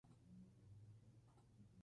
John's Beacon.